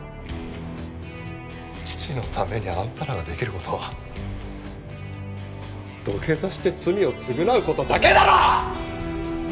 父のためにあんたらができる事は土下座して罪を償う事だけだろ！！